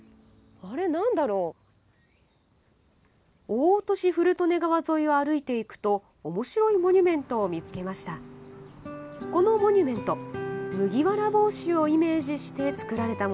大落古利根川沿いを歩いていくとおもしろいモニュメントを見つけました。